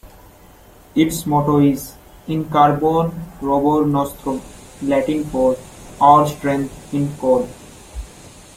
Its motto is "In Carbone Robur Nostrum", Latin for "Our Strength in Coal".